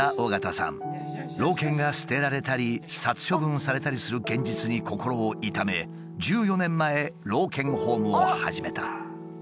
老犬が捨てられたり殺処分されたりする現実に心を痛め１４年前老犬ホームを始めた。